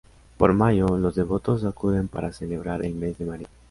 Por mayo los devotos acuden para celebrar el mes de María.